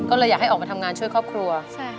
ก็เลยอยากให้ออกมาทำงานช่วยครอบครัว